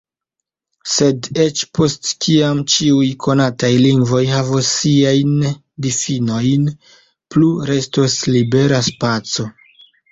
Sed eĉ post kiam ĉiuj konataj lingvoj havos siajn difinojn, plu restos libera spaco.